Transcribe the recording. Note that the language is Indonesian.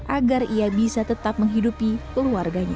agar ia bisa tetap menghidupi keluarganya